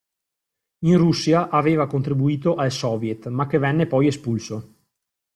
In Russia aveva contribuito al soviet ma che venne poi espulso.